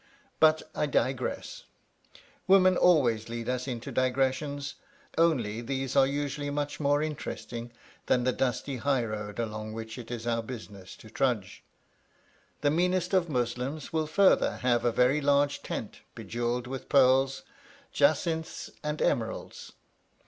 But I digress; women always lead us into digressions, only these are usually much more interesting than the dusty high road along which it is our business to trudge. The meanest of Muslims will further have a very large tent bejewelled with pearls, jacinths and emeralds.